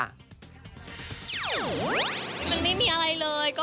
มันไม่มีอะไรเลย